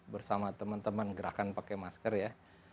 bersama teman teman gerakan pakai masker ya